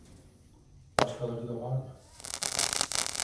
Başkaları da var mı?